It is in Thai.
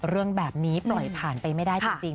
เรื่องแบบนี้ปล่อยผ่านไปไม่ได้จริง